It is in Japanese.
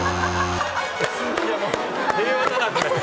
いやもう平和だなこれ。